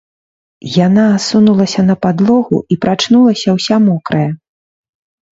Яна асунулася на падлогу і прачнулася ўся мокрая.